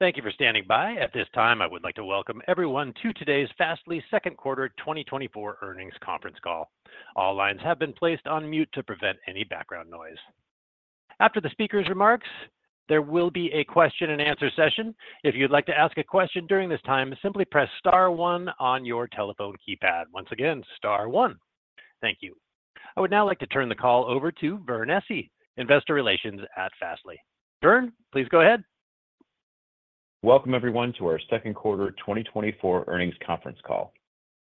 Thank you for standing by. At this time, I would like to welcome everyone to today's Fastly second quarter 2024 earnings conference call. All lines have been placed on mute to prevent any background noise. After the speaker's remarks, there will be a question and answer session. If you'd like to ask a question during this time, simply press star one on your telephone keypad. Once again, star one. Thank you. I would now like to turn the call over to Vern Essi, Investor Relations at Fastly. Vern, please go ahead. Welcome everyone, to our second quarter 2024 earnings conference call.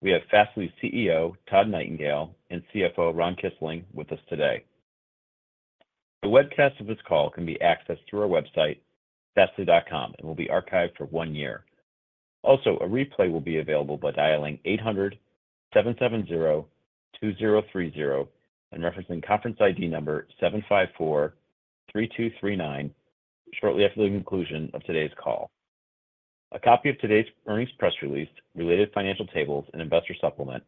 We have Fastly CEO, Todd Nightingale, and CFO, Ron Kisling, with us today. A webcast of this call can be accessed through our website, fastly.com, and will be archived for one year. Also, a replay will be available by dialing 800-770-2030 and referencing conference ID number 7543239 shortly after the conclusion of today's call. A copy of today's earnings press release, related financial tables, and investor supplement,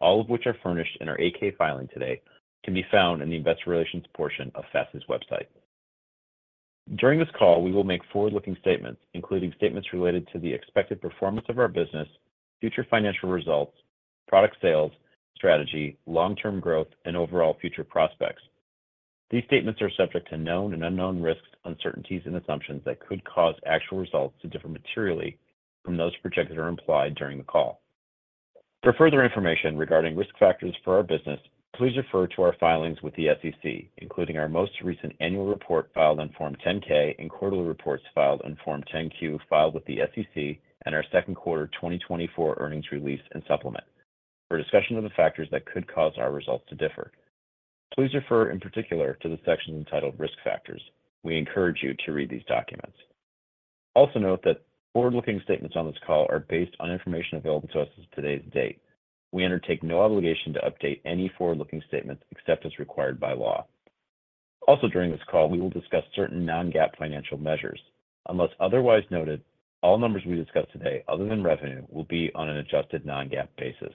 all of which are furnished in our 8-K filing today, can be found in the investor relations portion of Fastly's website. During this call, we will make forward-looking statements, including statements related to the expected performance of our business, future financial results, product sales, strategy, long-term growth, and overall future prospects. These statements are subject to known and unknown risks, uncertainties, and assumptions that could cause actual results to differ materially from those projected or implied during the call. For further information regarding risk factors for our business, please refer to our filings with the SEC, including our most recent annual report filed on Form 10-K and quarterly reports filed on Form 10-Q, filed with the SEC, and our second quarter 2024 earnings release and supplement. For discussion of the factors that could cause our results to differ, please refer in particular to the section entitled Risk Factors. We encourage you to read these documents. Also, note that forward-looking statements on this call are based on information available to us as today's date. We undertake no obligation to update any forward-looking statements except as required by law. Also, during this call, we will discuss certain non-GAAP financial measures. Unless otherwise noted, all numbers we discuss today other than revenue, will be on an adjusted non-GAAP basis.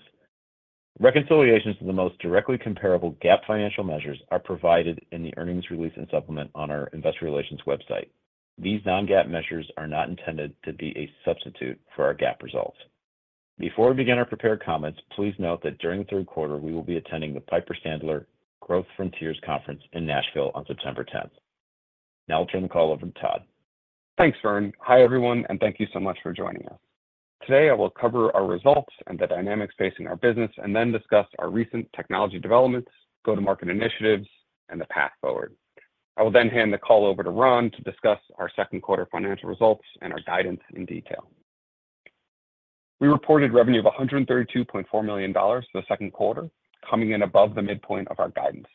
Reconciliations to the most directly comparable GAAP financial measures are provided in the earnings release and supplement on our investor relations website. These non-GAAP measures are not intended to be a substitute for our GAAP results. Before we begin our prepared comments, please note that during the third quarter, we will be attending the Piper Sandler Growth Frontiers Conference in Nashville on September tenth. Now I'll turn the call over to Todd. Thanks, Vern. Hi, everyone, and thank you so much for joining us. Today, I will cover our results and the dynamics facing our business and then discuss our recent technology developments, go-to-market initiatives, and the path forward. I will then hand the call over to Ron to discuss our second quarter financial results and our guidance in detail. We reported revenue of $132.4 million for the second quarter, coming in above the midpoint of our guidance.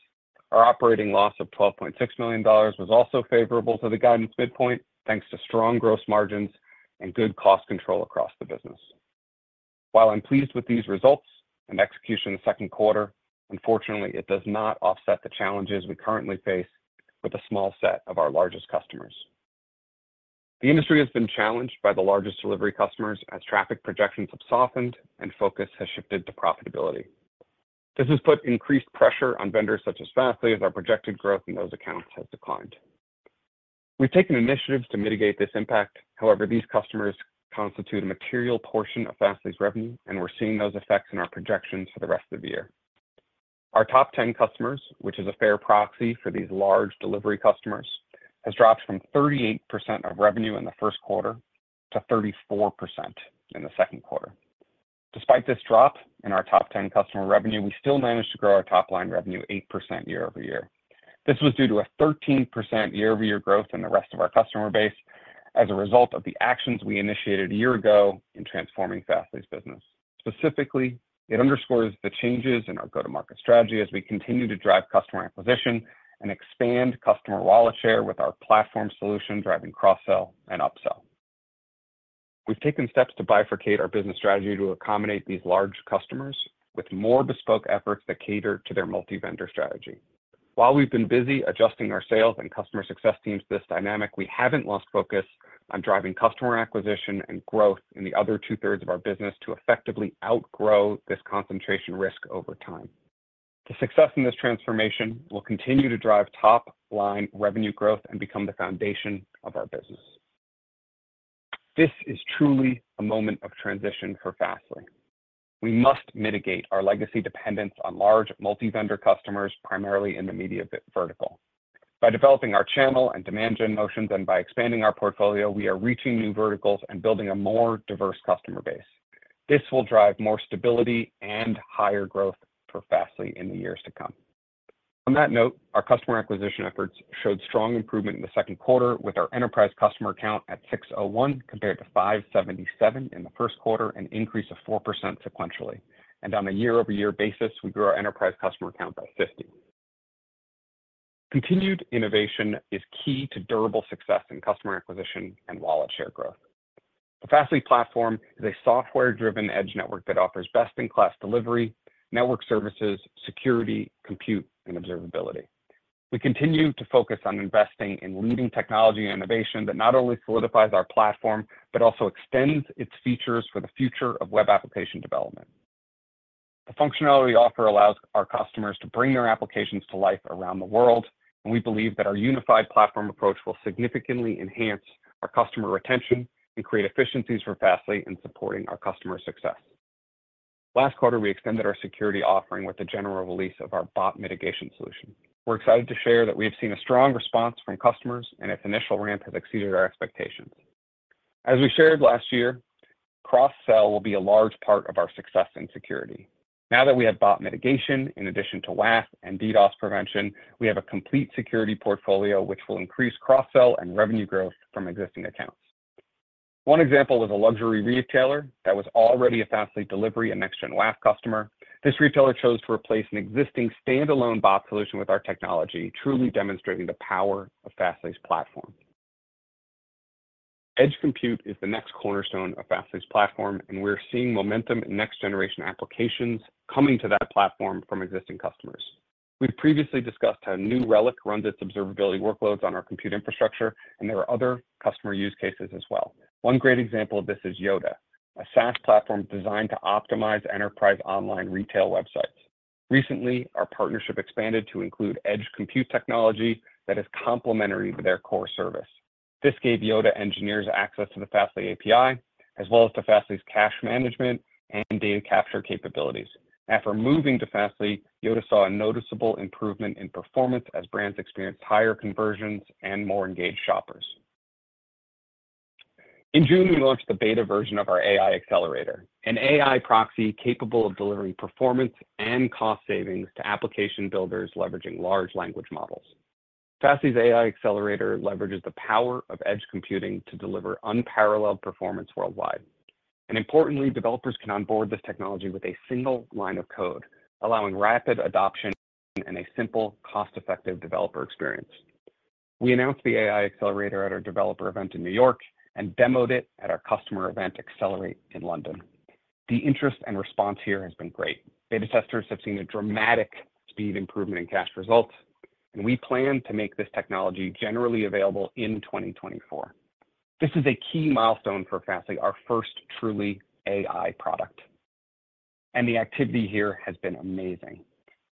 Our operating loss of $12.6 million was also favorable to the guidance midpoint, thanks to strong gross margins and good cost control across the business. While I'm pleased with these results and execution in the second quarter, unfortunately, it does not offset the challenges we currently face with a small set of our largest customers. The industry has been challenged by the largest delivery customers as traffic projections have softened and focus has shifted to profitability. This has put increased pressure on vendors such as Fastly, as our projected growth in those accounts has declined. We've taken initiatives to mitigate this impact. However, these customers constitute a material portion of Fastly's revenue, and we're seeing those effects in our projections for the rest of the year. Our top 10 customers, which is a fair proxy for these large delivery customers, has dropped from 38% of revenue in the first quarter to 34% in the second quarter. Despite this drop in our top 10 customer revenue, we still managed to grow our top-line revenue 8% year-over-year. This was due to a 13% year-over-year growth in the rest of our customer base as a result of the actions we initiated a year ago in transforming Fastly's business. Specifically, it underscores the changes in our go-to-market strategy as we continue to drive customer acquisition and expand customer wallet share with our platform solution, driving cross-sell and upsell. We've taken steps to bifurcate our business strategy to accommodate these large customers with more bespoke efforts that cater to their multi-vendor strategy. While we've been busy adjusting our sales and customer success teams this dynamic, we haven't lost focus on driving customer acquisition and growth in the other 2/3 of our business to effectively outgrow this concentration risk over time. The success in this transformation will continue to drive top-line revenue growth and become the foundation of our business. This is truly a moment of transition for Fastly. We must mitigate our legacy dependence on large multi-vendor customers, primarily in the media vertical. By developing our channel and demand gen motions and by expanding our portfolio, we are reaching new verticals and building a more diverse customer base. This will drive more stability and higher growth for Fastly in the years to come. On that note, our customer acquisition efforts showed strong improvement in the second quarter, with our enterprise customer account at 601, compared to 577 in the first quarter, an increase of 4% sequentially. And on a year-over-year basis, we grew our enterprise customer account by 50. Continued innovation is key to durable success in customer acquisition and wallet share growth. The Fastly platform is a software-driven edge network that offers best-in-class delivery, network services, security, compute, and observability. We continue to focus on investing in leading technology and innovation that not only solidifies our platform, but also extends its features for the future of web application development. The functionality offer allows our customers to bring their applications to life around the world, and we believe that our unified platform approach will significantly enhance our customer retention and create efficiencies for Fastly in supporting our customer success. Last quarter, we extended our security offering with the general release of our bot mitigation solution. We're excited to share that we have seen a strong response from customers, and its initial ramp has exceeded our expectations. As we shared last year, cross-sell will be a large part of our success in security. Now that we have bot mitigation, in addition to WAF and DDoS prevention, we have a complete security portfolio, which will increase cross-sell and revenue growth from existing accounts. One example is a luxury retailer that was already a Fastly delivery and Next-Gen WAF customer. This retailer chose to replace an existing standalone bot solution with our technology, truly demonstrating the power of Fastly's platform. Edge Compute is the next cornerstone of Fastly's platform, and we're seeing momentum in next-generation applications coming to that platform from existing customers. We've previously discussed how New Relic runs its observability workloads on our compute infrastructure, and there are other customer use cases as well. One great example of this is Yottaa, a SaaS platform designed to optimize enterprise online retail websites. Recently, our partnership expanded to include Edge Compute technology that is complementary to their core service. This gave Yottaa engineers access to the Fastly API, as well as to Fastly's cache management and data capture capabilities. After moving to Fastly, Yottaa saw a noticeable improvement in performance as brands experienced higher conversions and more engaged shoppers. In June, we launched the beta version of our AI Accelerator, an AI proxy capable of delivering performance and cost savings to application builders leveraging large language models. Fastly's AI Accelerator leverages the power of edge computing to deliver unparalleled performance worldwide. And importantly, developers can onboard this technology with a single line of code, allowing rapid adoption and a simple, cost-effective developer experience. We announced the AI Accelerator at our developer event in New York and demoed it at our customer event, Accelerate, in London. The interest and response here has been great. Beta testers have seen a dramatic speed improvement in cache results, and we plan to make this technology generally available in 2024. This is a key milestone for Fastly, our first truly AI product, and the activity here has been amazing.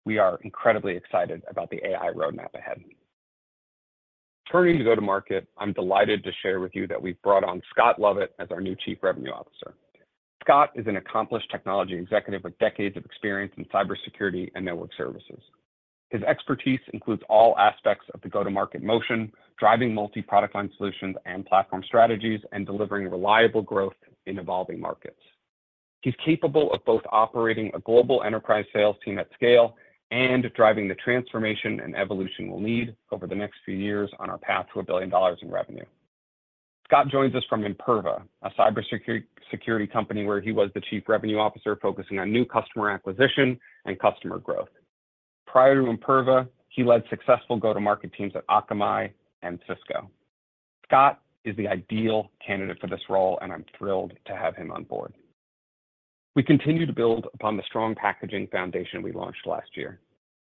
We are incredibly excited about the AI roadmap ahead. Turning to go-to-market, I'm delighted to share with you that we've brought on Scott Lovett as our new Chief Revenue Officer. Scott is an accomplished technology executive with decades of experience in cybersecurity and network services. His expertise includes all aspects of the go-to-market motion, driving multi-product line solutions and platform strategies, and delivering reliable growth in evolving markets. He's capable of both operating a global enterprise sales team at scale and driving the transformation and evolution we'll need over the next few years on our path to $1 billion in revenue. Scott joins us from Imperva, a cybersecurity, security company, where he was the Chief Revenue Officer, focusing on new customer acquisition and customer growth. Prior to Imperva, he led successful go-to-market teams at Akamai and Cisco. Scott is the ideal candidate for this role, and I'm thrilled to have him on board. We continue to build upon the strong packaging foundation we launched last year.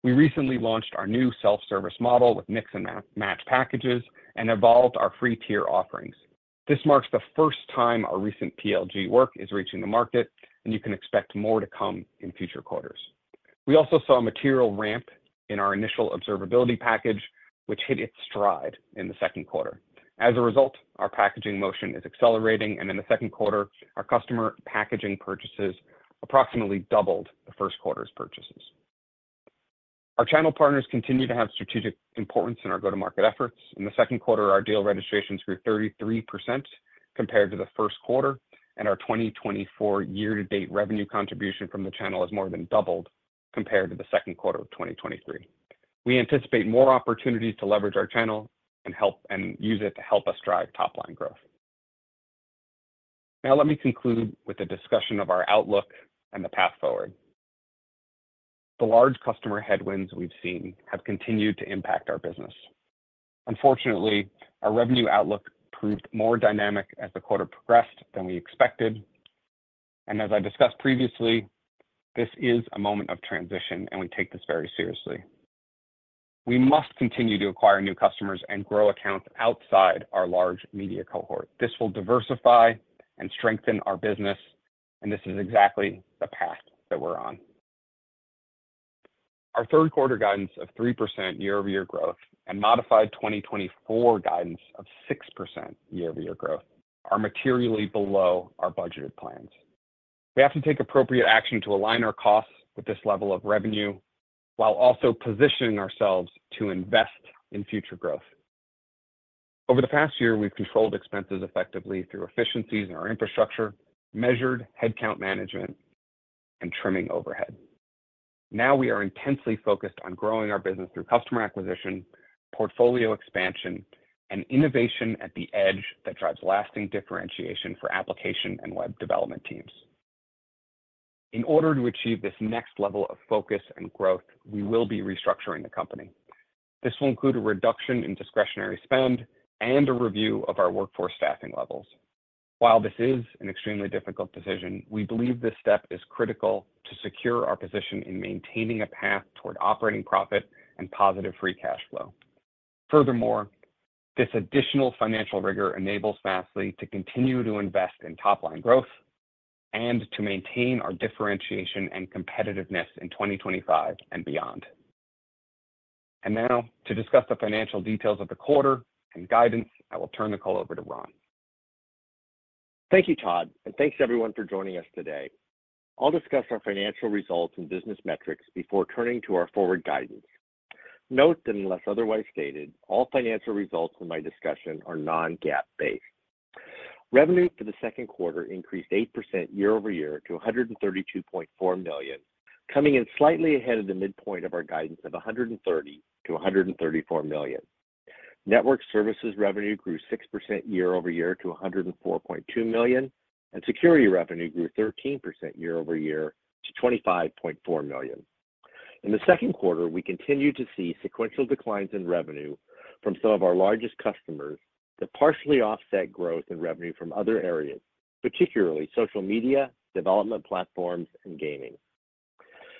We recently launched our new self-service model with mix-and-match packages and evolved our free tier offerings. This marks the first time our recent PLG work is reaching the market, and you can expect more to come in future quarters. We also saw a material ramp in our initial observability package, which hit its stride in the second quarter. As a result, our packaging motion is accelerating, and in the second quarter, our customer packaging purchases approximately doubled the first quarter's purchases. Our channel partners continue to have strategic importance in our go-to-market efforts. In the second quarter, our deal registrations grew 33% compared to the first quarter, and our 2024 year-to-date revenue contribution from the channel has more than doubled compared to the second quarter of 2023. We anticipate more opportunities to leverage our channel and use it to help us drive top-line growth. Now, let me conclude with a discussion of our outlook and the path forward. The large customer headwinds we've seen have continued to impact our business. Unfortunately, our revenue outlook proved more dynamic as the quarter progressed than we expected, and as I discussed previously, this is a moment of transition, and we take this very seriously. We must continue to acquire new customers and grow accounts outside our large media cohort. This will diversify and strengthen our business, and this is exactly the path that we're on. Our third quarter guidance of 3% year-over-year growth and modified 2024 guidance of 6% year-over-year growth are materially below our budgeted plans. We have to take appropriate action to align our costs with this level of revenue, while also positioning ourselves to invest in future growth. Over the past year, we've controlled expenses effectively through efficiencies in our infrastructure, measured headcount management, and trimming overhead. Now, we are intensely focused on growing our business through customer acquisition, portfolio expansion, and innovation at the edge that drives lasting differentiation for application and web development teams. In order to achieve this next level of focus and growth, we will be restructuring the company. This will include a reduction in discretionary spend and a review of our workforce staffing levels. While this is an extremely difficult decision, we believe this step is critical to secure our position in maintaining a path toward operating profit and positive free cash flow. Furthermore, this additional financial rigor enables Fastly to continue to invest in top-line growth and to maintain our differentiation and competitiveness in 2025 and beyond. And now, to discuss the financial details of the quarter and guidance, I will turn the call over to Ron. Thank you, Todd, and thanks everyone for joining us today. I'll discuss our financial results and business metrics before turning to our forward guidance. Note that unless otherwise stated, all financial results in my discussion are non-GAAP based. Revenue for the second quarter increased 8% year-over-year to $132.4 million, coming in slightly ahead of the midpoint of our guidance of $130 million-$134 million. Network services revenue grew 6% year-over-year to $104.2 million, and security revenue grew 13% year-over-year to $25.4 million. In the second quarter, we continued to see sequential declines in revenue from some of our largest customers that partially offset growth in revenue from other areas, particularly social media, development platforms, and gaming.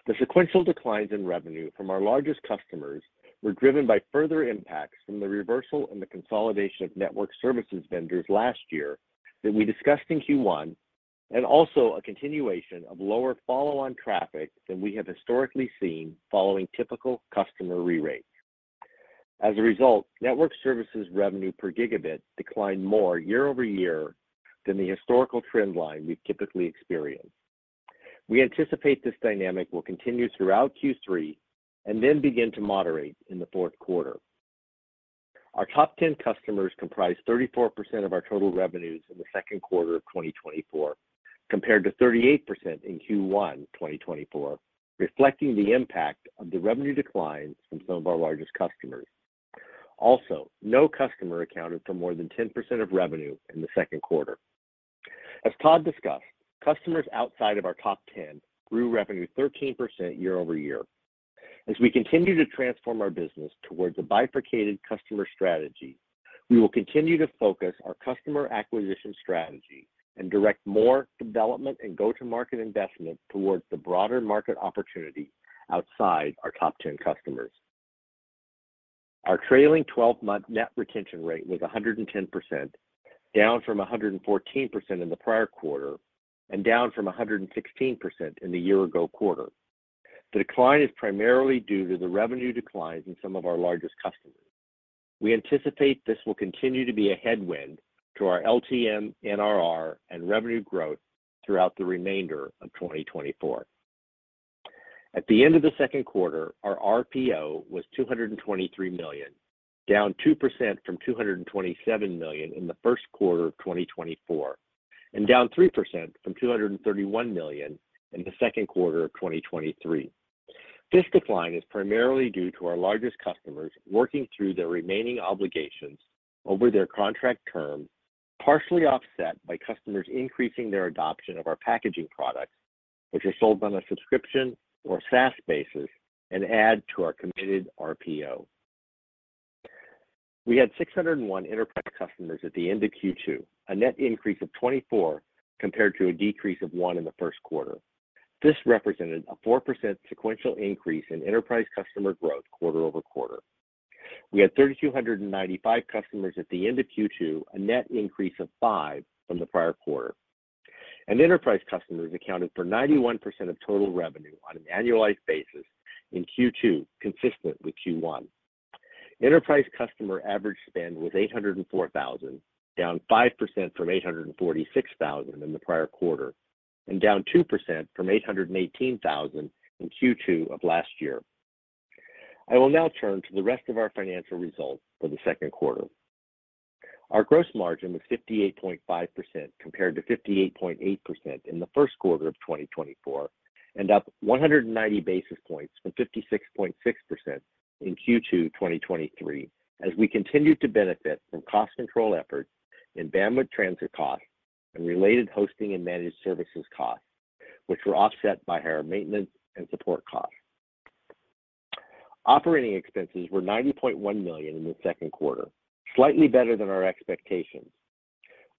The sequential declines in revenue from our largest customers were driven by further impacts from the reversal and the consolidation of network services vendors last year that we discussed in Q1, and also a continuation of lower follow-on traffic than we have historically seen following typical customer re-rate. As a result, network services revenue per gigabit declined more year-over-year than the historical trend line we've typically experienced. We anticipate this dynamic will continue throughout Q3 and then begin to moderate in the fourth quarter. Our top 10 customers comprised 34% of our total revenues in the second quarter of 2024, compared to 38% in Q1 2024, reflecting the impact of the revenue declines from some of our largest customers. Also, no customer accounted for more than 10% of revenue in the second quarter. As Todd discussed, customers outside of our top 10 grew revenue 13% year-over-year. As we continue to transform our business towards a bifurcated customer strategy, we will continue to focus our customer acquisition strategy and direct more development and go-to-market investment towards the broader market opportunity outside our top 10 customers. Our trailing 12-month net retention rate was 110%, down from 114% in the prior quarter and down from 116% in the year-ago quarter. The decline is primarily due to the revenue declines in some of our largest customers. We anticipate this will continue to be a headwind to our LTM, NRR, and revenue growth throughout the remainder of 2024. At the end of the second quarter, our RPO was $223 million, down 2% from $227 million in the first quarter of 2024, and down 3% from $231 million in the second quarter of 2023. This decline is primarily due to our largest customers working through their remaining obligations over their contract term, partially offset by customers increasing their adoption of our packaging products, which are sold on a subscription or SaaS basis and add to our committed RPO. We had 601 enterprise customers at the end of Q2, a net increase of 24 compared to a decrease of 1 in the first quarter. This represented a 4% sequential increase in enterprise customer growth quarter-over-quarter. We had 3,295 customers at the end of Q2, a net increase of 5 from the prior quarter. Enterprise customers accounted for 91% of total revenue on an annualized basis in Q2, consistent with Q1. Enterprise customer average spend was $804,000, down 5% from $846,000 in the prior quarter, and down 2% from $818,000 in Q2 of last year. I will now turn to the rest of our financial results for the second quarter. Our gross margin was 58.5%, compared to 58.8% in the first quarter of 2024, and up 190 basis points from 56.6% in Q2 2023, as we continued to benefit from cost control efforts in bandwidth transit costs and related hosting and managed services costs, which were offset by higher maintenance and support costs. Operating expenses were $90.1 million in the second quarter, slightly better than our expectations.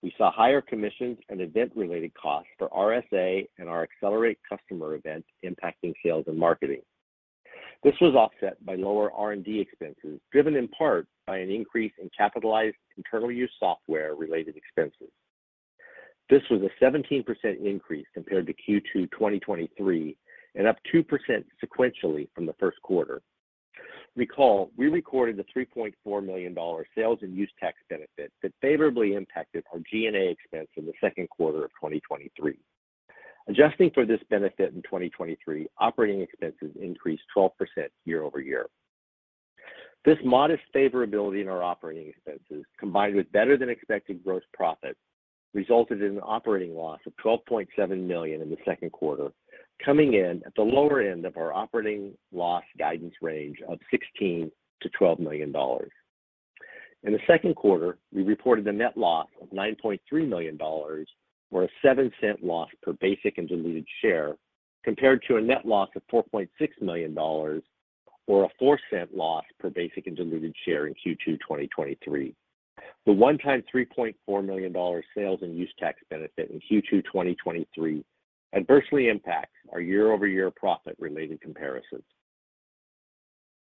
We saw higher commissions and event-related costs for RSA and our Accelerate customer event impacting sales and marketing. This was offset by lower R&D expenses, driven in part by an increase in capitalized internal use software-related expenses. This was a 17% increase compared to Q2 2023 and up 2% sequentially from the first quarter. Recall, we recorded a $3.4 million sales and use tax benefit that favorably impacted our G&A expense in the second quarter of 2023. Adjusting for this benefit in 2023, operating expenses increased 12% year-over-year. This modest favorability in our operating expenses, combined with better-than-expected gross profit, resulted in an operating loss of $12.7 million in the second quarter, coming in at the lower end of our operating loss guidance range of $16 million-$12 million. In the second quarter, we reported a net loss of $9.3 million, or a $0.07 loss per basic and diluted share, compared to a net loss of $4.6 million, or a $0.04 loss per basic and diluted share in Q2 2023.... The one-time $3.4 million sales and use tax benefit in Q2 2023 adversely impacts our year-over-year profit-related comparisons.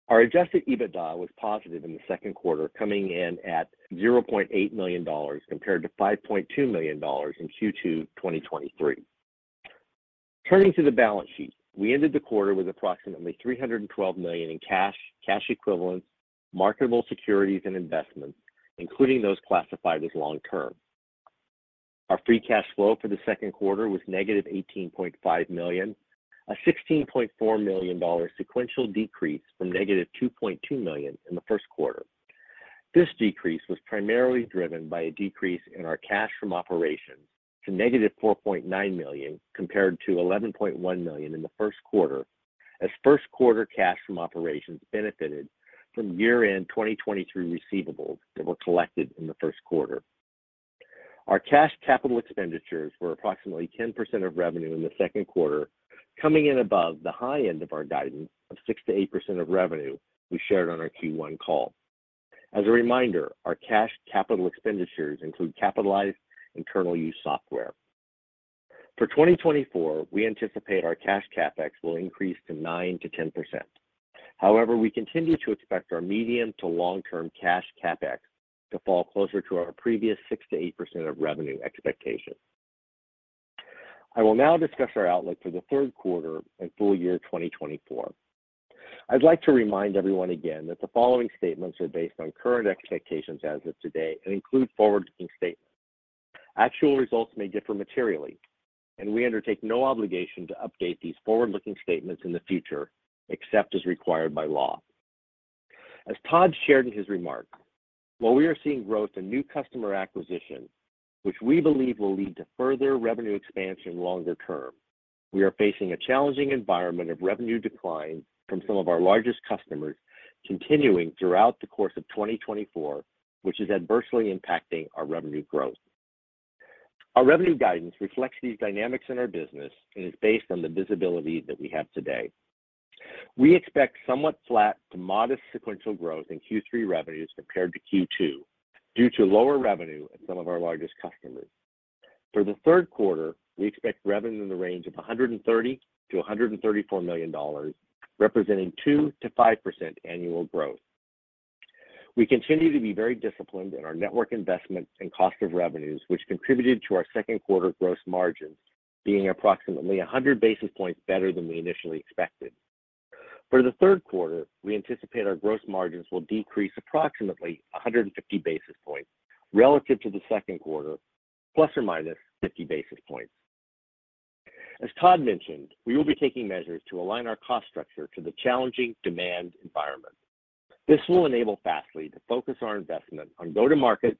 Our Adjusted EBITDA was positive in the second quarter, coming in at $0.8 million, compared to $5.2 million in Q2 2023. Turning to the balance sheet, we ended the quarter with approximately $312 million in cash, cash equivalents, marketable securities, and investments, including those classified as long-term. Our free cash flow for the second quarter was negative $18.5 million, a $16.4 million sequential decrease from negative $2.2 million in the first quarter. This decrease was primarily driven by a decrease in our cash from operations to -$4.9 million, compared to $11.1 million in the first quarter, as first quarter cash from operations benefited from year-end 2023 receivables that were collected in the first quarter. Our cash capital expenditures were approximately 10% of revenue in the second quarter, coming in above the high end of our guidance of 6%-8% of revenue we shared on our Q1 call. As a reminder, our cash capital expenditures include capitalized internal use software. For 2024, we anticipate our cash CapEx will increase to 9%-10%. However, we continue to expect our medium to long-term cash CapEx to fall closer to our previous 6%-8% of revenue expectations. I will now discuss our outlook for the third quarter and full year 2024. I'd like to remind everyone again that the following statements are based on current expectations as of today and include forward-looking statements. Actual results may differ materially, and we undertake no obligation to update these forward-looking statements in the future, except as required by law. As Todd shared in his remarks, while we are seeing growth in new customer acquisition, which we believe will lead to further revenue expansion longer term, we are facing a challenging environment of revenue decline from some of our largest customers continuing throughout the course of 2024, which is adversely impacting our revenue growth. Our revenue guidance reflects these dynamics in our business and is based on the visibility that we have today. We expect somewhat flat to modest sequential growth in Q3 revenues compared to Q2 due to lower revenue at some of our largest customers. For the third quarter, we expect revenue in the range of $130 million-$134 million, representing 2%-5% annual growth. We continue to be very disciplined in our network investments and cost of revenues, which contributed to our second quarter gross margins being approximately 100 basis points better than we initially expected. For the third quarter, we anticipate our gross margins will decrease approximately 150 basis points relative to the second quarter, ±50 basis points. As Todd mentioned, we will be taking measures to align our cost structure to the challenging demand environment. This will enable Fastly to focus our investment on go-to-market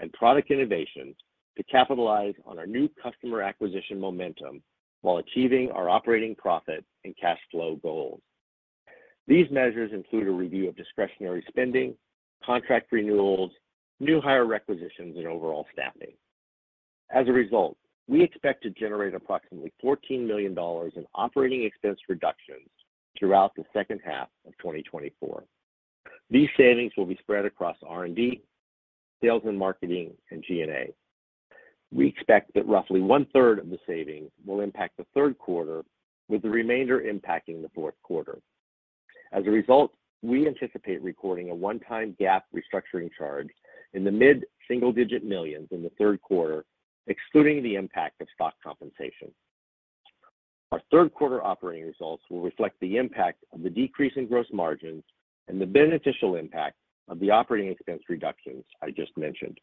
and product innovation to capitalize on our new customer acquisition momentum while achieving our operating profit and cash flow goals. These measures include a review of discretionary spending, contract renewals, new hire requisitions, and overall staffing. As a result, we expect to generate approximately $14 million in operating expense reductions throughout the second half of 2024. These savings will be spread across R&D, sales and marketing, and G&A. We expect that roughly one-third of the savings will impact the third quarter, with the remainder impacting the fourth quarter. As a result, we anticipate recording a one-time GAAP restructuring charge in the $mid-single-digit millions in the third quarter, excluding the impact of stock compensation. Our third quarter operating results will reflect the impact of the decrease in gross margins and the beneficial impact of the operating expense reductions I just mentioned.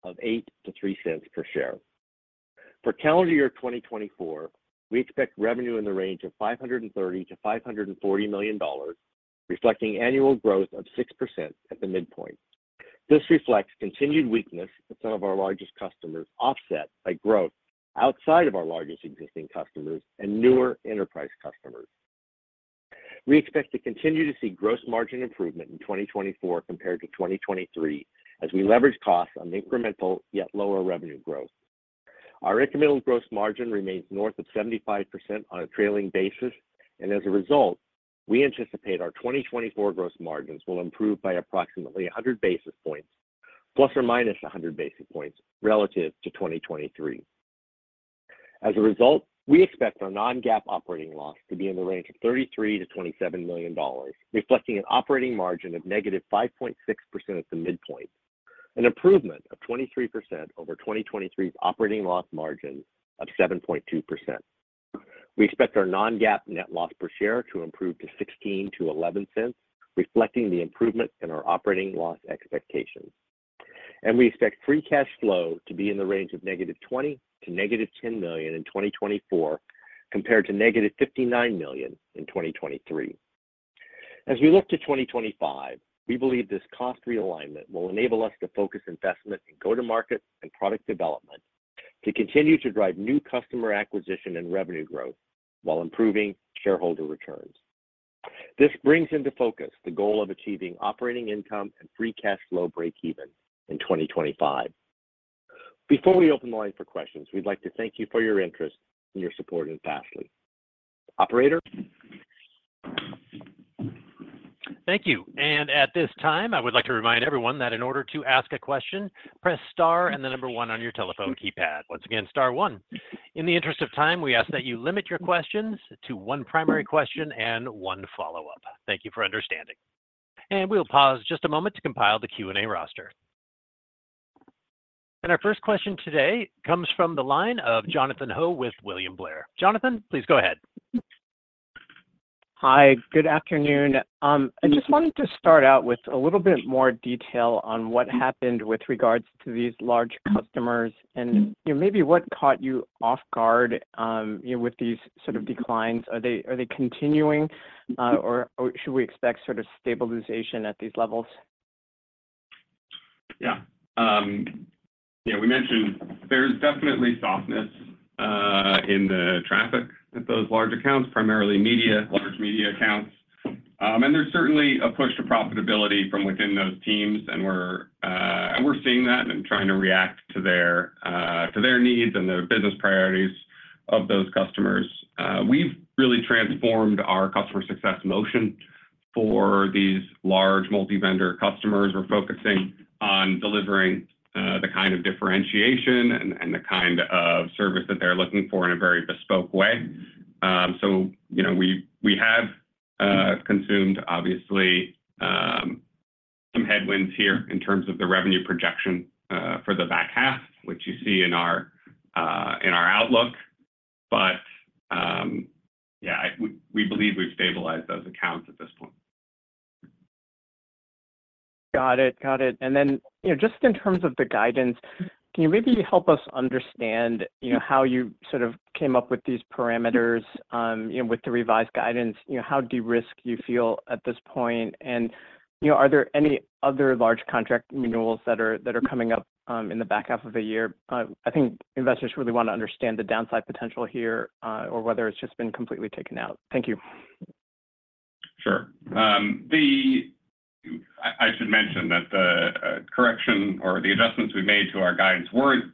As a result, for the third quarter, we expect our non-GAAP operating loss to decrease to $12 million-$8 million and a non-GAAP net loss of $0.8-$0.3 per share. For calendar year 2024, we expect revenue in the range of $530 million-$540 million, reflecting annual growth of 6% at the midpoint. This reflects continued weakness in some of our largest customers, offset by growth outside of our largest existing customers and newer enterprise customers. We expect to continue to see gross margin improvement in 2024 compared to 2023 as we leverage costs on incremental, yet lower revenue growth. Our incremental gross margin remains north of 75% on a trailing basis, and as a result, we anticipate our 2024 gross margins will improve by approximately 100 basis points, ±100 basis points relative to 2023. As a result, we expect our non-GAAP operating loss to be in the range of $33 million-$27 million, reflecting an operating margin of -5.6% at the midpoint, an improvement of 23% over 2023's operating loss margin of 7.2%. We expect our non-GAAP net loss per share to improve to $0.16-$0.11, reflecting the improvement in our operating loss expectations. We expect free cash flow to be in the range of -$20 million to -$10 million in 2024, compared to -$59 million in 2023. As we look to 2025, we believe this cost realignment will enable us to focus investment in go-to-market and product development to continue to drive new customer acquisition and revenue growth while improving shareholder returns. This brings into focus the goal of achieving operating income and free cash flow breakeven in 2025. Before we open the line for questions, we'd like to thank you for your interest and your support in Fastly. Operator? Thank you. And at this time, I would like to remind everyone that in order to ask a question, press star and the number one on your telephone keypad. Once again, star one. In the interest of time, we ask that you limit your questions to one primary question and one follow-up. Thank you for understanding. And we'll pause just a moment to compile the Q&A roster. And our first question today comes from the line of Jonathan Ho with William Blair. Jonathan, please go ahead. Hi, good afternoon. I just wanted to start out with a little bit more detail on what happened with regards to these large customers and, you know, maybe what caught you off guard, you know, with these sort of declines. Are they continuing, or should we expect sort of stabilization at these levels? Yeah. Yeah, we mentioned there's definitely softness in the traffic at those large accounts, primarily media, large media accounts. And there's certainly a push to profitability from within those teams, and we're seeing that and trying to react to their needs and the business priorities of those customers. We've really transformed our customer success motion for these large multi-vendor customers. We're focusing on delivering the kind of differentiation and the kind of service that they're looking for in a very bespoke way. So, you know, we have consumed, obviously, some headwinds here in terms of the revenue projection for the back half, which you see in our outlook. But yeah, we believe we've stabilized those accounts at this point. Got it. Got it. And then, you know, just in terms of the guidance, can you maybe help us understand, you know, how you sort of came up with these parameters, you know, with the revised guidance? You know, how de-risked you feel at this point? And, you know, are there any other large contract renewals that are coming up, in the back half of the year? I think investors really want to understand the downside potential here, or whether it's just been completely taken out. Thank you. Sure. I should mention that the correction or the adjustments we made to our guidance weren't,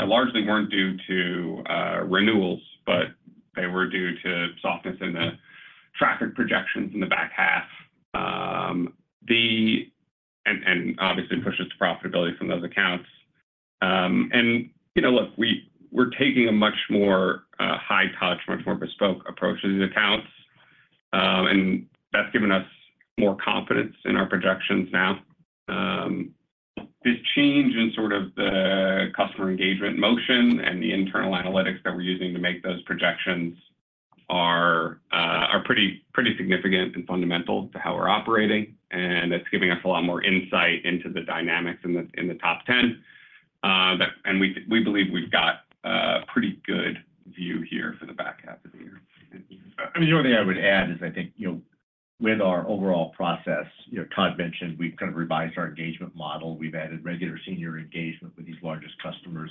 largely weren't due to renewals, but they were due to softness in the traffic projections in the back half. And obviously pushes to profitability from those accounts. And, you know, look, we're taking a much more high touch, much more bespoke approach to these accounts, and that's given us more confidence in our projections now. This change in sort of the customer engagement motion and the internal analytics that we're using to make those projections are pretty, pretty significant and fundamental to how we're operating, and it's giving us a lot more insight into the dynamics in the, in the top 10. We believe we've got a pretty good view here for the back half of the year. I mean, the only thing I would add is I think, you know, with our overall process, you know, Todd mentioned we've kind of revised our engagement model. We've added regular senior engagement with these largest customers.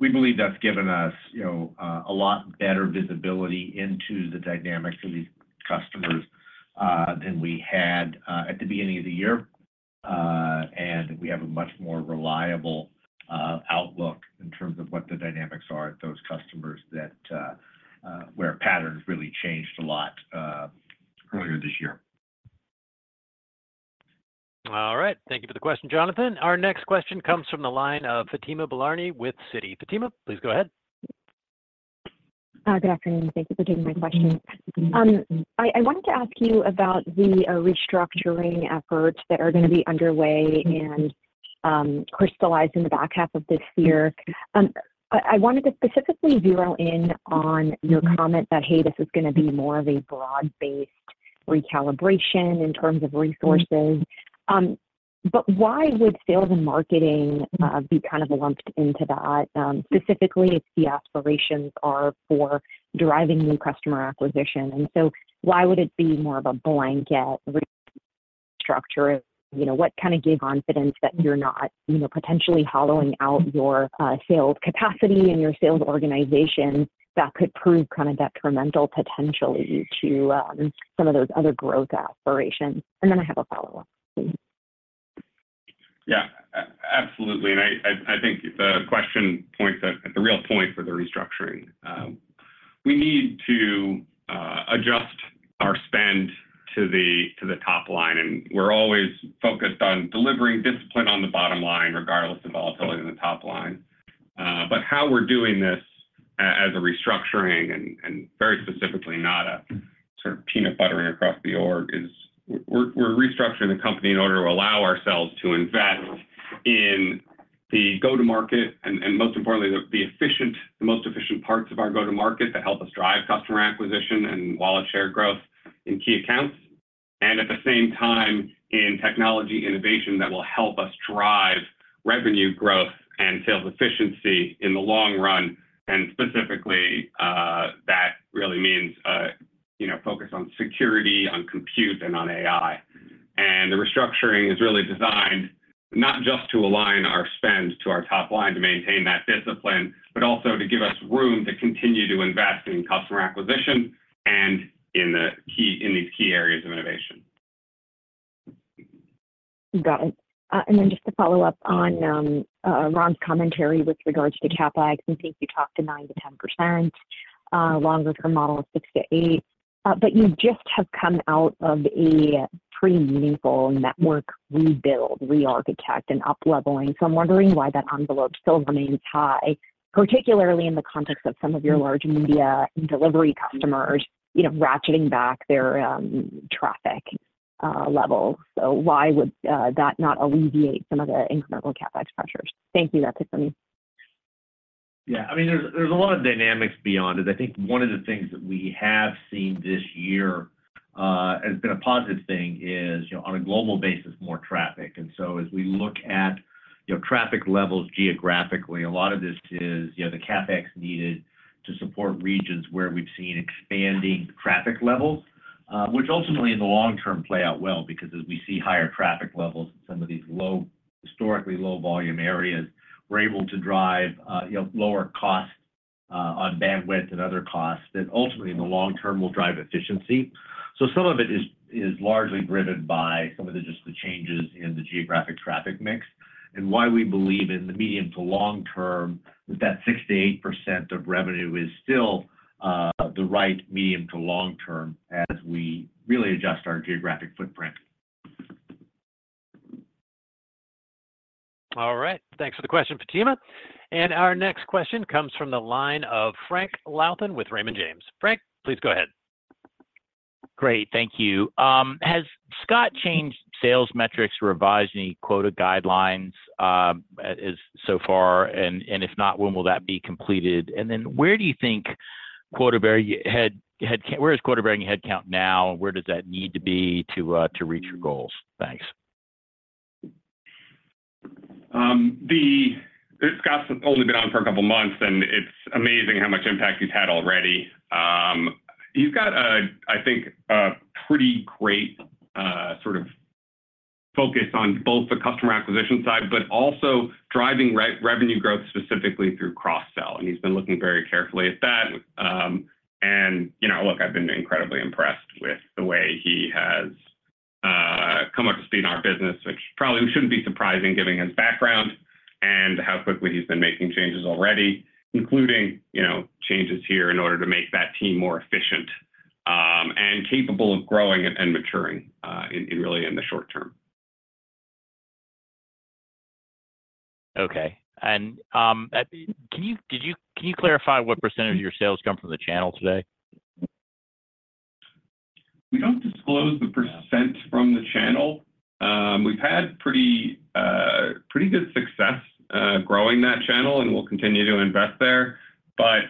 We believe that's given us, you know, a lot better visibility into the dynamics of these customers, than we had, at the beginning of the year. And we have a much more reliable, outlook in terms of what the dynamics are at those customers that, where patterns really changed a lot, earlier this year. All right. Thank you for the question, Jonathan. Our next question comes from the line of Fatima Boolani with Citi. Fatima, please go ahead. Good afternoon. Thank you for taking my question. I wanted to ask you about the restructuring efforts that are gonna be underway and crystallize in the back half of this year. I wanted to specifically zero in on your comment that, hey, this is gonna be more of a broad-based recalibration in terms of resources. But why would sales and marketing be kind of lumped into that? Specifically if the aspirations are for driving new customer acquisition. And so why would it be more of a blanket structure? You know, what kind of give confidence that you're not, you know, potentially hollowing out your sales capacity and your sales organization that could prove kind of detrimental potentially to some of those other growth aspirations? And then I have a follow-up, please. Yeah, absolutely, and I think the question points at the real point for the restructuring. We need to adjust our spend to the top line, and we're always focused on delivering discipline on the bottom line, regardless of volatility in the top line. But how we're doing this as a restructuring and very specifically, not a sort of peanut buttering across the org, is we're restructuring the company in order to allow ourselves to invest in the go-to-market and, most importantly, the most efficient parts of our go-to-market that help us drive customer acquisition and wallet share growth in key accounts. And at the same time, in technology innovation that will help us drive revenue growth and sales efficiency in the long run. Specifically, that really means, you know, focus on security, on compute, and on AI, and the restructuring is really designed not just to align our spend to our top line, to maintain that discipline, but also to give us room to continue to invest in customer acquisition and in these key areas of innovation. Got it. And then just to follow up on Ron's commentary with regards to CapEx, I think you talked to 9%-10%, longer-term model of 6%-8%. But you just have come out of a pretty meaningful network rebuild, rearchitect, and up-leveling. So I'm wondering why that envelope still remains high, particularly in the context of some of your large media and delivery customers, you know, ratcheting back their traffic levels. So why would that not alleviate some of the incremental CapEx pressures? Thank you, that's it for me. Yeah, I mean, there's a lot of dynamics beyond it. I think one of the things that we have seen this year, has been a positive thing is, you know, on a global basis, more traffic. So as we look at, you know, traffic levels geographically, a lot of this is, you know, the CapEx needed to support regions where we've seen expanding traffic levels. Which ultimately in the long term, play out well, because as we see higher traffic levels in some of these historically low volume areas, we're able to drive, you know, lower costs on bandwidth and other costs that ultimately, in the long term, will drive efficiency. So some of it is largely driven by some of the just the changes in the geographic traffic mix, and why we believe in the medium to long term, that 6%-8% of revenue is still the right medium to long term as we really adjust our geographic footprint. All right. Thanks for the question, Fatima. Our next question comes from the line of Frank Louthan with Raymond James. Frank, please go ahead. Great. Thank you. Has Scott changed sales metrics, revised any quota guidelines, as so far? And if not, when will that be completed? And then where do you think quota-bearing headcount is now, and where does that need to be to reach your goals? Thanks. Scott's only been on for a couple of months, and it's amazing how much impact he's had already. He's got a, I think, a pretty great sort of focus on both the customer acquisition side, but also driving revenue growth, specifically through cross-sell, and he's been looking very carefully at that. And, you know, look, I've been incredibly impressed with the way he has come up to speed in our business, which probably shouldn't be surprising given his background and how quickly he's been making changes already, including, you know, changes here in order to make that team more efficient, and capable of growing and maturing, really in the short term. Okay. And, can you clarify what percentage of your sales come from the channel today? We don't disclose the percent- Yeah... from the channel. We've had pretty, pretty good success growing that channel, and we'll continue to invest there. But,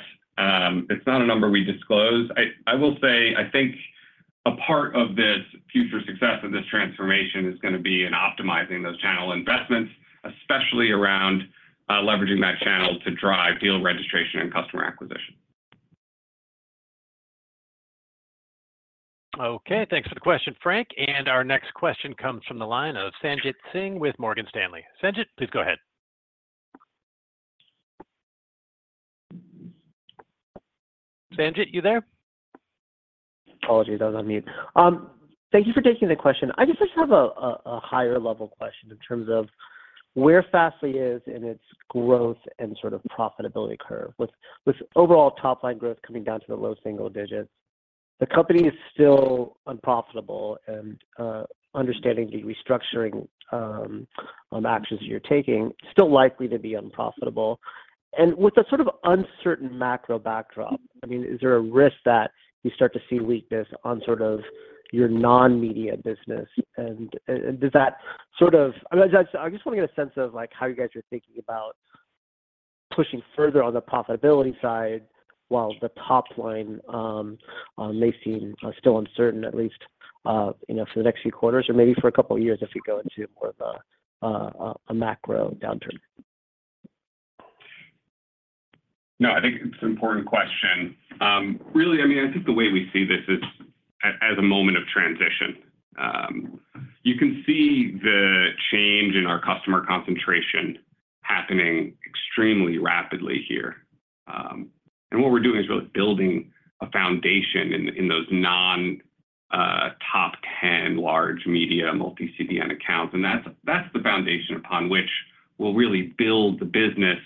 it's not a number we disclose. I, I will say, I think a part of this future success of this transformation is gonna be in optimizing those channel investments, especially around leveraging that channel to drive deal registration and customer acquisition. Okay, thanks for the question, Frank. Our next question comes from the line of Sanjit Singh with Morgan Stanley. Sanjit, please go ahead. Sanjit, you there? Apologies, I was on mute. Thank you for taking the question. I just have a higher level question in terms of where Fastly is in its growth and sort of profitability curve. With overall top-line growth coming down to the low single digits, the company is still unprofitable, and understanding the restructuring actions you're taking, still likely to be unprofitable. And with a sort of uncertain macro backdrop, I mean, is there a risk that you start to see weakness on sort of your non-media business? And does that sort of... I just wanna get a sense of, like, how you guys are thinking about pushing further on the profitability side, while the top line may seem still uncertain, at least, you know, for the next few quarters or maybe for a couple of years if we go into more of a macro downturn. No, I think it's an important question. Really, I mean, I think the way we see this is as, as a moment of transition. You can see the change in our customer concentration happening extremely rapidly here. And what we're doing is really building a foundation in, in those non, top 10 large media multi-CDN accounts. And that's, that's the foundation upon which we'll really build the business,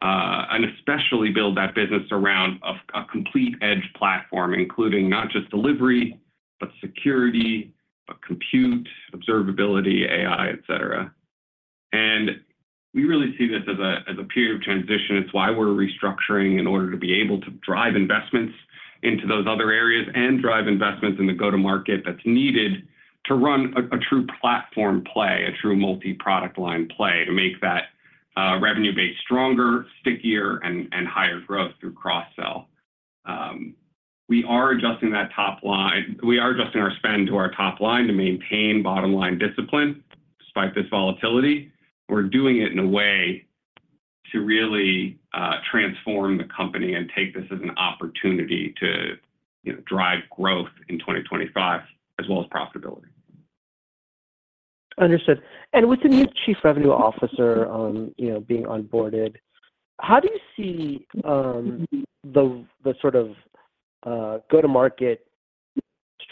and especially build that business around a, a complete edge platform, including not just delivery, but security, compute, observability, AI, et cetera. And we really see this as a, as a period of transition. It's why we're restructuring in order to be able to drive investments into those other areas and drive investments in the go-to-market that's needed to run a true platform play, a true multi-product line play, to make that revenue base stronger, stickier, and higher growth through cross-sell. We are adjusting our spend to our top line to maintain bottom-line discipline despite this volatility. We're doing it in a way to really transform the company and take this as an opportunity to, you know, drive growth in 2025, as well as profitability. Understood. With the new Chief Revenue Officer, you know, being onboarded, how do you see the sort of go-to-market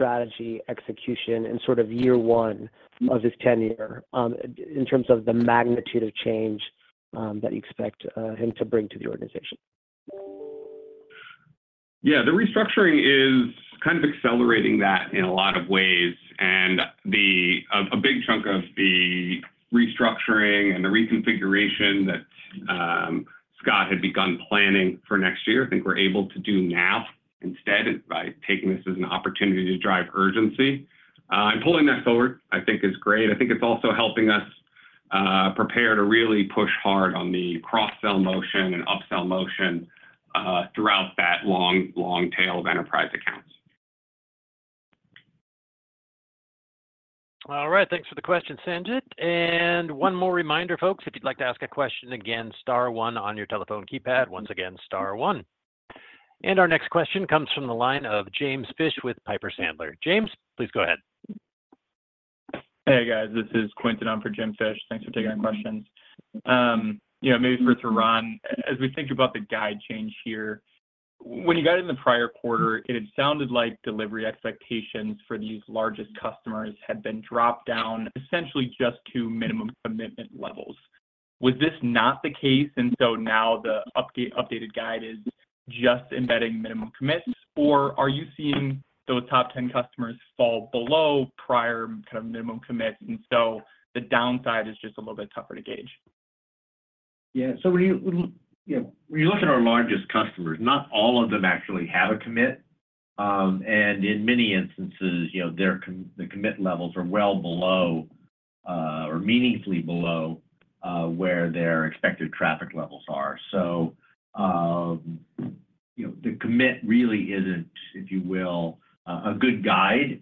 strategy execution in sort of year one of his tenure, in terms of the magnitude of change that you expect him to bring to the organization? Yeah, the restructuring is kind of accelerating that in a lot of ways, and a big chunk of the restructuring and the reconfiguration that Scott had begun planning for next year, I think we're able to do now instead by taking this as an opportunity to drive urgency. And pulling that forward, I think is great. I think it's also helping us prepare to really push hard on the cross-sell motion and upsell motion throughout that long, long tail of enterprise accounts. All right. Thanks for the question, Sanjit. And one more reminder, folks, if you'd like to ask a question, again, star one on your telephone keypad. Once again, star one. And our next question comes from the line of James Fish with Piper Sandler. James, please go ahead. Hey, guys, this is Quinton on for Jim Fish. Thanks for taking our questions. You know, maybe for Toran, as we think about the guide change here, when you got in the prior quarter, it had sounded like delivery expectations for these largest customers had been dropped down essentially just to minimum commitment levels. Was this not the case, and so now the updated guide is just embedding minimum commitments? Or are you seeing those top 10 customers fall below prior kind of minimum commits, and so the downside is just a little bit tougher to gauge? Yeah. So when you, you know, when you look at our largest customers, not all of them actually have a commit. And in many instances, you know, their commit levels are well below, or meaningfully below, where their expected traffic levels are. So, you know, the commit really isn't, if you will, a good guide.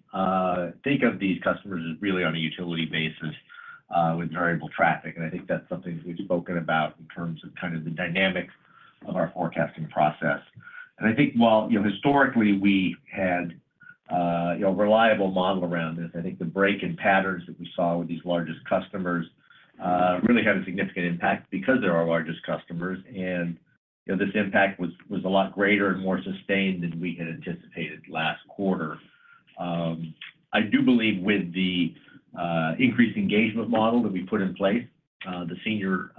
Think of these customers as really on a utility basis, with variable traffic, and I think that's something we've spoken about in terms of kind of the dynamics of our forecasting process. And I think while, you know, historically, we had, you know, reliable model around this, I think the break in patterns that we saw with these largest customers really had a significant impact because they're our largest customers. You know, this impact was a lot greater and more sustained than we had anticipated last quarter. I do believe with the increased engagement model that we put in place, the senior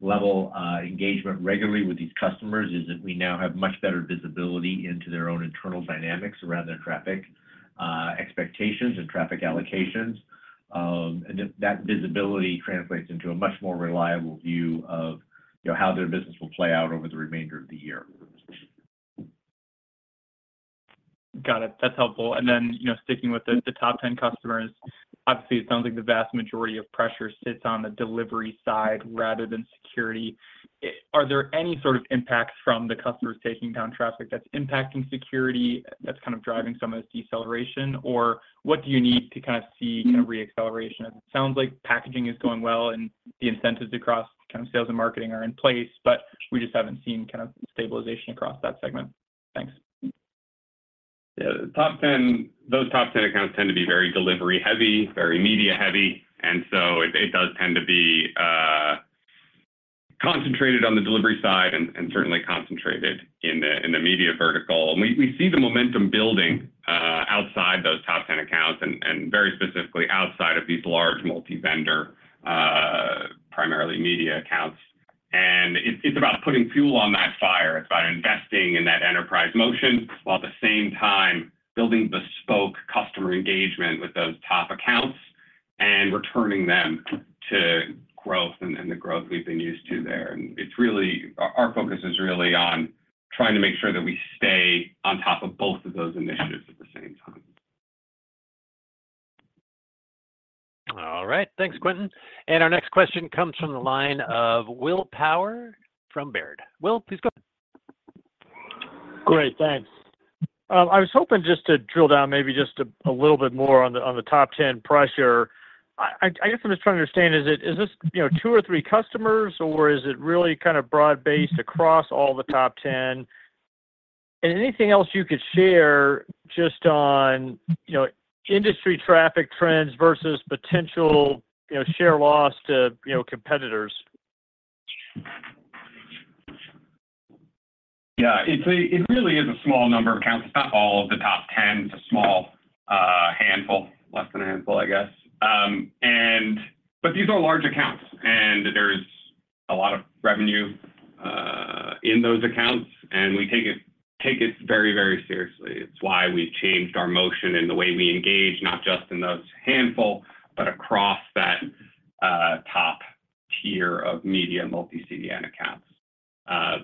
level engagement regularly with these customers, is that we now have much better visibility into their own internal dynamics around their traffic expectations and traffic allocations. That visibility translates into a much more reliable view of, you know, how their business will play out over the remainder of the year. Got it. That's helpful. And then, you know, sticking with the top 10 customers, obviously, it sounds like the vast majority of pressure sits on the delivery side rather than security. Are there any sort of impacts from the customers taking down traffic that's impacting security, that's kind of driving some of this deceleration? Or what do you need to kind of see a re-acceleration? It sounds like packaging is going well, and the incentives across kind of sales and marketing are in place, but we just haven't seen kind of stabilization across that segment. Thanks. Yeah, the top 10—those top 10 accounts tend to be very delivery-heavy, very media-heavy, and so it, it does tend to be concentrated on the delivery side and, and certainly concentrated in the, in the media vertical. And we, we see the momentum building outside those top 10 accounts and, and very specifically outside of these large multi-vendor primarily media accounts. And it's, it's about putting fuel on that fire. It's about investing in that enterprise motion, while at the same time building bespoke customer engagement with those top accounts and returning them to growth and, and the growth we've been used to there. And it's really... Our focus is really on trying to make sure that we stay on top of both of those initiatives at the same time. All right. Thanks, Quinton. And our next question comes from the line of Will Power from Baird. Will, please go. Great, thanks. I was hoping just to drill down maybe just a little bit more on the top 10 pressure. I guess I'm just trying to understand, is it- is this, you know, two or three customers, or is it really kind of broad-based across all the top 10? And anything else you could share just on, you know, industry traffic trends versus potential, you know, share loss to, you know, competitors? Yeah. It's it really is a small number of accounts. It's not all of the top 10. It's a small handful, less than a handful, I guess. But these are large accounts, and there's a lot of revenue in those accounts, and we take it, take it very, very seriously. It's why we've changed our motion and the way we engage, not just in those handful, but across that top tier of media multi-CDN accounts.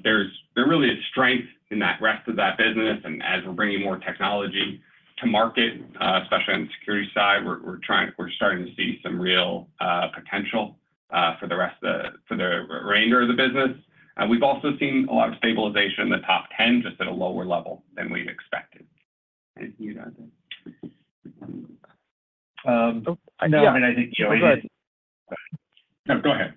There really is strength in that rest of that business, and as we're bringing more technology to market, especially on the security side, we're starting to see some real potential for the remainder of the business. We've also seen a lot of stabilization in the top 10, just at a lower level than we've expected. You know... no, I mean, I think Go ahead. No, go ahead.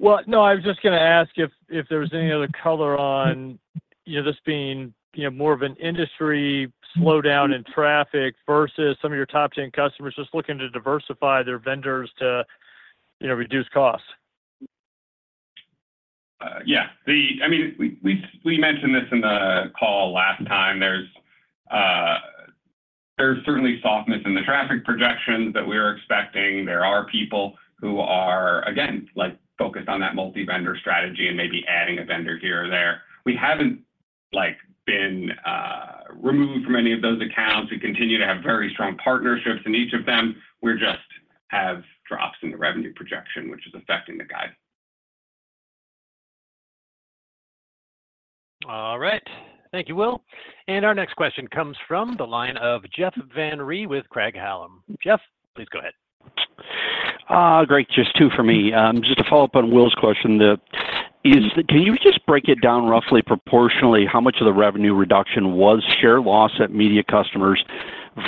Well, no, I was just gonna ask if, if there was any other color on, you know, this being, you know, more of an industry slowdown in traffic versus some of your top 10 customers just looking to diversify their vendors to, you know, reduce costs. Yeah. I mean, we mentioned this in the call last time. There's certainly softness in the traffic projections that we were expecting. There are people who are, again, like focused on that multi-vendor strategy and maybe adding a vendor here or there. We haven't, like, been removed from any of those accounts. We continue to have very strong partnerships in each of them. We're just have drops in the revenue projection, which is affecting the guide. All right. Thank you, Will. And our next question comes from the line of Jeff Van Rhee with Craig-Hallum. Jeff, please go ahead. Great. Just two for me. Just to follow up on Will's question, can you just break it down roughly proportionally, how much of the revenue reduction was share loss at media customers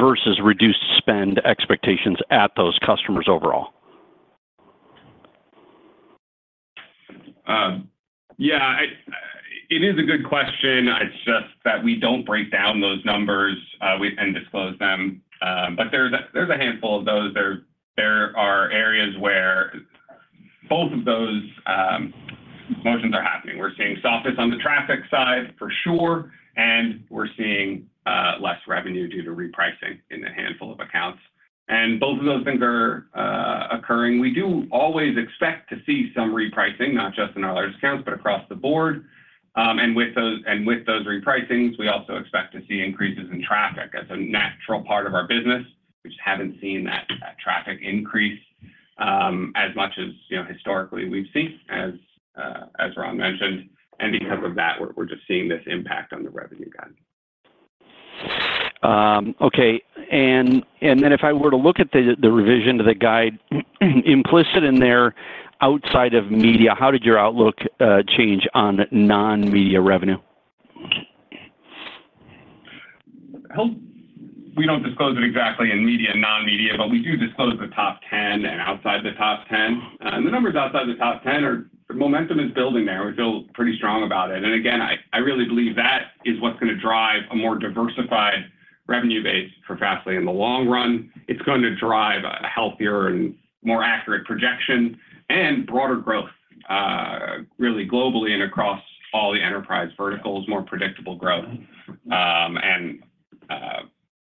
versus reduced spend expectations at those customers overall? Yeah, it is a good question. It's just that we don't break down those numbers and disclose them. But there's a handful of those. There are areas where both of those motions are happening. We're seeing softness on the traffic side, for sure, and we're seeing less revenue due to repricing in a handful of accounts. And both of those things are occurring. We do always expect to see some repricing, not just in our large accounts, but across the board. And with those repricings, we also expect to see increases in traffic as a natural part of our business. We just haven't seen that traffic increase as much as, you know, historically we've seen, as Ron mentioned, and because of that, we're just seeing this impact on the revenue guide. Okay. And then if I were to look at the revision to the guide, implicit in there, outside of media, how did your outlook change on non-media revenue? Well, we don't disclose it exactly in media and non-media, but we do disclose the top 10 and outside the top 10. The numbers outside the top 10 are... the momentum is building there. We feel pretty strong about it. And again, I really believe that is what's gonna drive a more diversified revenue base for Fastly in the long run. It's going to drive a healthier and more accurate projection and broader growth, really globally and across all the enterprise verticals, more predictable growth. And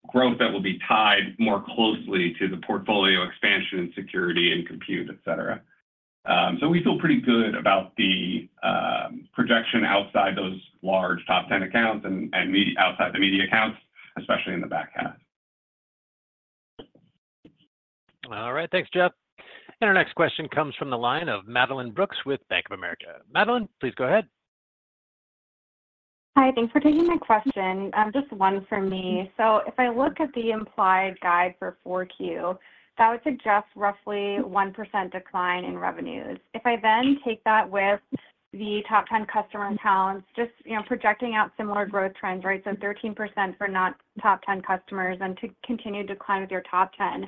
growth that will be tied more closely to the portfolio expansion in security and compute, et cetera. So we feel pretty good about the projection outside those large top 10 accounts and media- outside the media accounts, especially in the back half. All right. Thanks, Jeff. Our next question comes from the line of Madeline Brooks with Bank of America. Madeline, please go ahead. Hi, thanks for taking my question. Just one for me. So if I look at the implied guide for Q4, that would suggest roughly 1% decline in revenues. If I then take that with the top 10 customer accounts, just, you know, projecting out similar growth trends, right? So 13% for non-top 10 customers and to continue to decline with your top 10.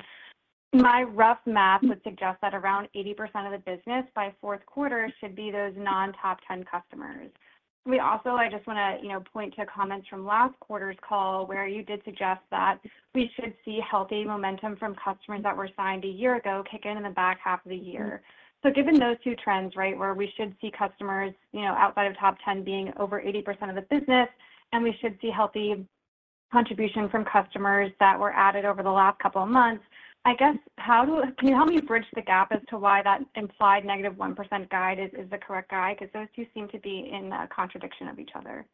My rough math would suggest that around 80% of the business by fourth quarter should be those non-top 10 customers. We also, I just wanna, you know, point to comments from last quarter's call, where you did suggest that we should see healthy momentum from customers that were signed a year ago kick in, in the back half of the year. So given those two trends, right, where we should see customers, you know, outside of top 10 being over 80% of the business, and we should see healthy contribution from customers that were added over the last couple of months, I guess, how do... Can you help me bridge the gap as to why that implied negative 1% guide is, is the correct guide? Because those two seem to be in a contradiction of each other.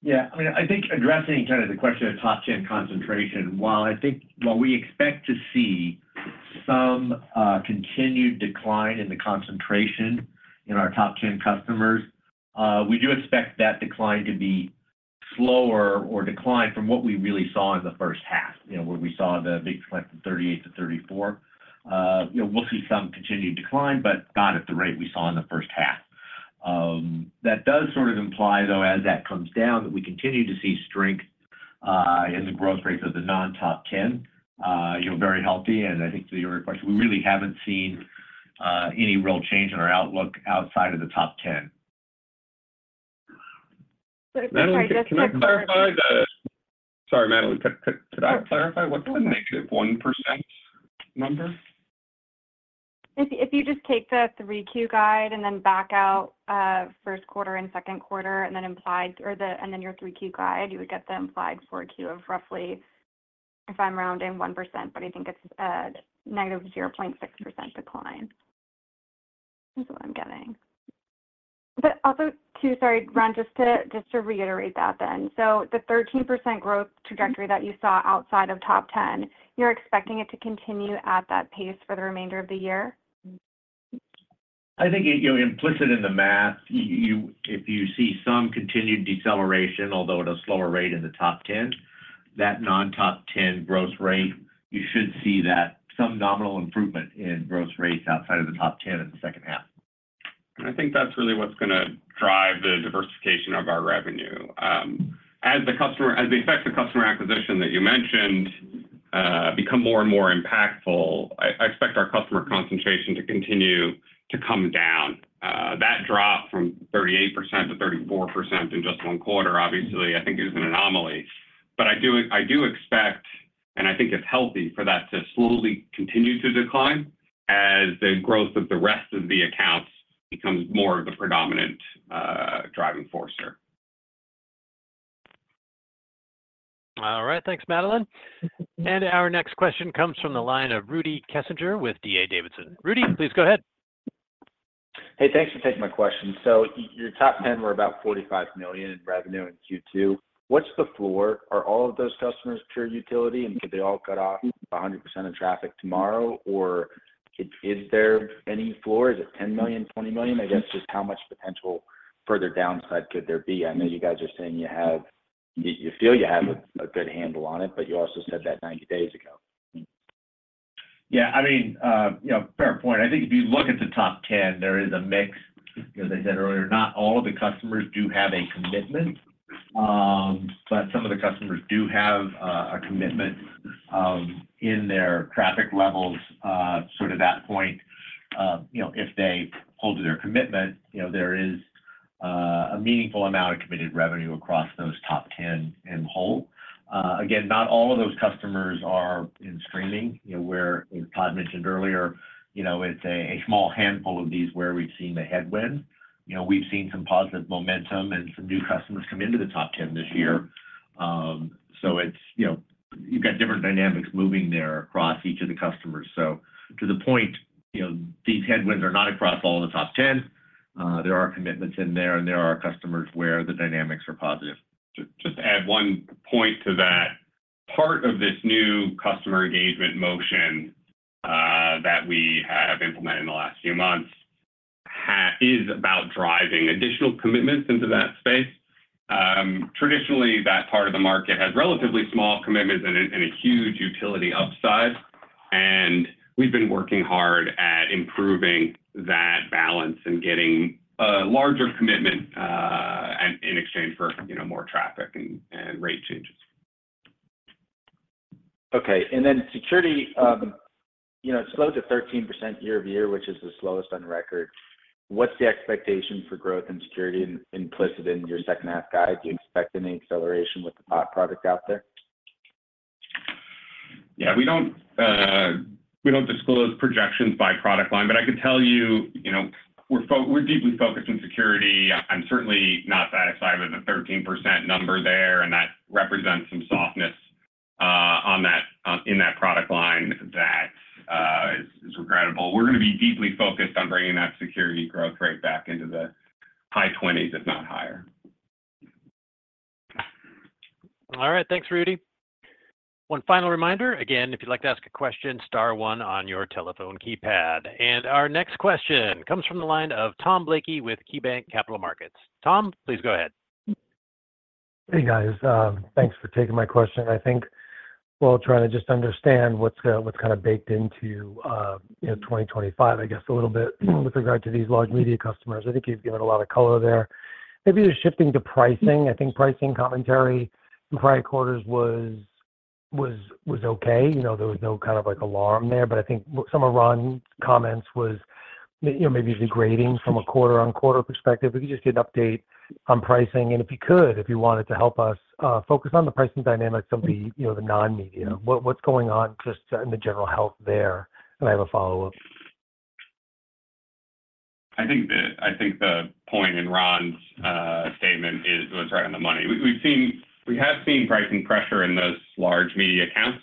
Yeah, I mean, I think addressing kind of the question of top 10 concentration, while I think, while we expect to see some continued decline in the concentration in our top 10 customers, we do expect that decline to be slower or decline from what we really saw in the first half, you know, where we saw the big decline from 38% to 34%. You know, we'll see some continued decline, but not at the rate we saw in the first half. That does sort of imply, though, as that comes down, that we continue to see strength in the growth rates of the non-top 10. You know, very healthy, and I think to your request, we really haven't seen any real change in our outlook outside of the top 10. But if I just- Sorry, Madeline, could I clarify what the -1% number? If you, if you just take the 3Q guide and then back out first quarter and second quarter, and then implied and then your 3Q guide, you would get the implied 4Q of roughly, if I'm rounding, 1%, but I think it's negative 0.6% decline. That's what I'm getting. But also, too, sorry, Ron, just to just to reiterate that then. So the 13% growth trajectory that you saw outside of top 10, you're expecting it to continue at that pace for the remainder of the year? I think, you know, implicit in the math, if you see some continued deceleration, although at a slower rate in the top 10, that non-top 10 growth rate, you should see that some nominal improvement in growth rates outside of the top 10 in the second half... And I think that's really what's gonna drive the diversification of our revenue. As the effects of customer acquisition that you mentioned become more and more impactful, I expect our customer concentration to continue to come down. That drop from 38% to 34% in just one quarter, obviously, I think is an anomaly. But I do expect, and I think it's healthy, for that to slowly continue to decline as the growth of the rest of the accounts becomes more of the predominant driving force here. All right. Thanks, Madeline. And our next question comes from the line of Rudy Kessinger with D.A. Davidson. Rudy, please go ahead. Hey, thanks for taking my question. So your top 10 were about $45 million in revenue in Q2. What's the floor? Are all of those customers pure utility, and could they all cut off 100% of traffic tomorrow, or is there any floor? Is it $10 million, $20 million? I guess, just how much potential further downside could there be? I know you guys are saying you have... you feel you have a good handle on it, but you also said that 90 days ago. Yeah, I mean, you know, fair point. I think if you look at the top 10, there is a mix. As I said earlier, not all of the customers do have a commitment, but some of the customers do have a commitment in their traffic levels. So to that point, you know, if they hold to their commitment, you know, there is a meaningful amount of committed revenue across those top 10 in whole. Again, not all of those customers are in streaming, you know, where, as Todd mentioned earlier, you know, it's a small handful of these where we've seen the headwind. You know, we've seen some positive momentum and some new customers come into the top 10 this year. So it's, you know, you've got different dynamics moving there across each of the customers. So to the point, you know, these headwinds are not across all of the top 10. There are commitments in there, and there are customers where the dynamics are positive. Just to add one point to that, part of this new customer engagement motion that we have implemented in the last few months is about driving additional commitments into that space. Traditionally, that part of the market has relatively small commitments and a huge utility upside, and we've been working hard at improving that balance and getting a larger commitment in exchange for, you know, more traffic and rate changes. Okay, and then security, you know, it slowed to 13% year-over-year, which is the slowest on record. What's the expectation for growth in security implicit in your second half guide? Do you expect any acceleration with the bot product out there? Yeah, we don't, we don't disclose projections by product line, but I can tell you, you know, we're deeply focused on security. I'm certainly not satisfied with the 13% number there, and that represents some softness on that in that product line that is regrettable. We're gonna be deeply focused on bringing that security growth rate back into the high 20s, if not higher. All right. Thanks, Rudy. One final reminder. Again, if you'd like to ask a question, star one on your telephone keypad. Our next question comes from the line of Tom Blakey with KeyBanc Capital Markets. Tom, please go ahead. Hey, guys. Thanks for taking my question. I think we're all trying to just understand what's, what's kind of baked into, you know, 2025, I guess, a little bit, with regard to these large media customers. I think you've given a lot of color there. Maybe just shifting to pricing. I think pricing commentary in prior quarters was, was, was okay. You know, there was no kind of, like, alarm there, but I think some of Ron's comments was, y- you know, maybe degrading from a quarter-on-quarter perspective. If we could just get an update on pricing, and if you could, if you wanted to help us, focus on the pricing dynamics of the, you know, the non-media. What's going on just, in the general health there? And I have a follow-up. I think the point in Ron's statement was right on the money. We have seen pricing pressure in those large media accounts.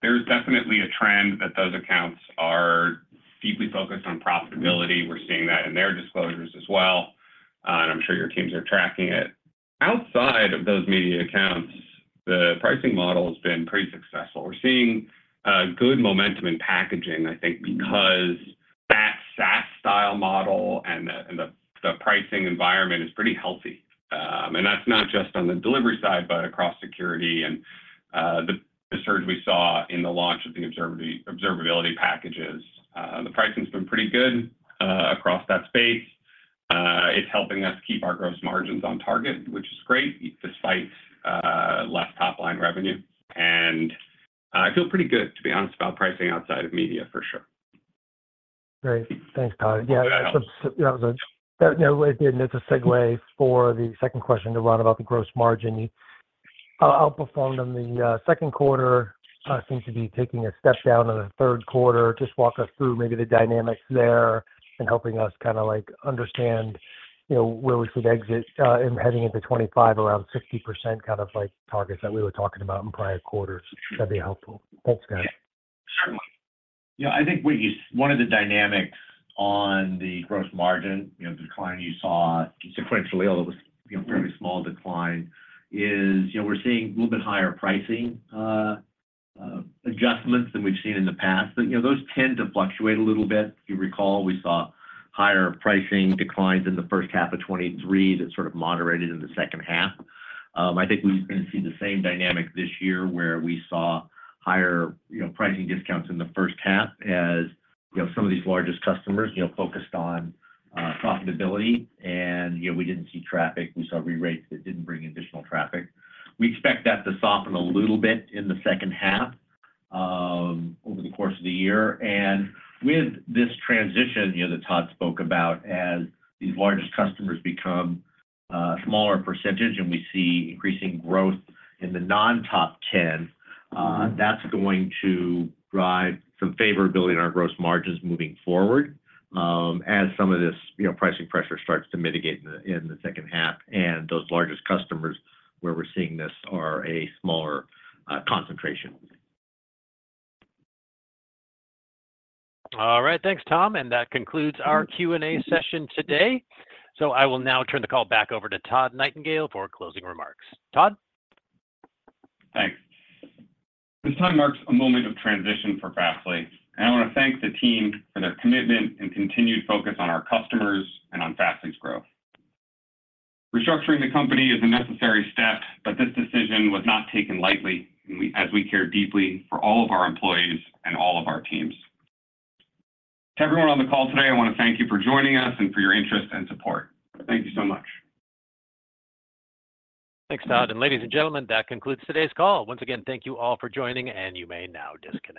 There's definitely a trend that those accounts are deeply focused on profitability. We're seeing that in their disclosures as well, and I'm sure your teams are tracking it. Outside of those media accounts, the pricing model has been pretty successful. We're seeing good momentum in packaging, I think, because that SaaS style model and the pricing environment is pretty healthy. And that's not just on the delivery side, but across security and the surge we saw in the launch of the observability packages. The pricing's been pretty good across that space. It's helping us keep our gross margins on target, which is great, despite less top-line revenue. I feel pretty good, to be honest, about pricing outside of media, for sure. Great. Thanks, Todd. Yeah. Yeah, so that was... That, you know, it's a segue for the second question to Ron about the gross margin. You outperformed them the second quarter, seems to be taking a step down in the third quarter. Just walk us through maybe the dynamics there and helping us kind of, like, understand, you know, where we should exit, and heading into 2025, around 60%, kind of like, targets that we were talking about in prior quarters. That'd be helpful. Thanks, guys. Yeah. Sure. Yeah, I think one of the dynamics on the gross margin, you know, decline you saw sequentially, although it was, you know, a very small decline, is, you know, we're seeing a little bit higher pricing adjustments than we've seen in the past. But, you know, those tend to fluctuate a little bit. If you recall, we saw higher pricing declines in the first half of 2023 that sort of moderated in the second half. I think we're gonna see the same dynamic this year, where we saw higher, you know, pricing discounts in the first half as, you know, some of these largest customers, you know, focused on profitability. And, you know, we didn't see traffic, we saw rerates that didn't bring additional traffic. We expect that to soften a little bit in the second half over the course of the year. With this transition, you know, that Todd spoke about, as these largest customers become a smaller percentage and we see increasing growth in the non-top 10, that's going to drive some favorability in our gross margins moving forward, as some of this, you know, pricing pressure starts to mitigate in the second half, and those largest customers, where we're seeing this, are a smaller concentration. All right. Thanks, Tom, and that concludes our Q&A session today. So I will now turn the call back over to Todd Nightingale for closing remarks. Todd? Thanks. This time marks a moment of transition for Fastly, and I wanna thank the team for their commitment and continued focus on our customers and on Fastly's growth. Restructuring the company is a necessary step, but this decision was not taken lightly, and as we care deeply for all of our employees and all of our teams. To everyone on the call today, I wanna thank you for joining us and for your interest and support. Thank you so much. Thanks, Todd, and ladies and gentlemen, that concludes today's call. Once again, thank you all for joining, and you may now disconnect.